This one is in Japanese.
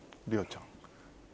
遼ちゃん。